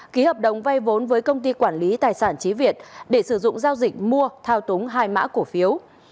ký hợp đồng vay vốn với công ty quản lý tài sản trí việt để sử dụng giao dịch mua thao túng hai mã cổ phiếu